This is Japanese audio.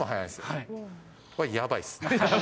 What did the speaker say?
これ、やばいです。